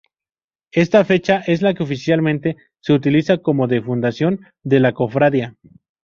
Esta fecha es la que oficialmente se utiliza como de fundación de la Cofradía.